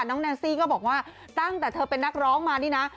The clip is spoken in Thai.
แนนซี่ก็บอกว่าตั้งแต่เธอเป็นนักร้องมานี่นะ